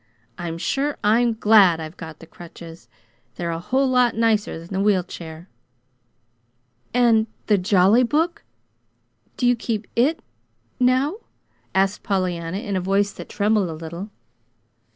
I'm sure I'm GLAD I've got the crutches. They're a whole lot nicer than the wheel chair!" "And the Jolly Book do you keep it now?" asked Pollyanna, in a voice that trembled a little.